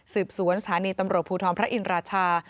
สืบสวนศาลีตำรวจพูทรพระอินรัชา